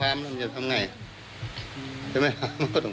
อะไรน่ะลุงก็ว่ายังงั้นนะ